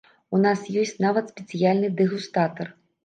У нас ёсць нават спецыяльны дэгустатар.